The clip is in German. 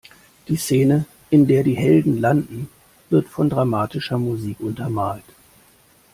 Die Szene, in der die Helden landen, wird von dramatischer Musik untermalt.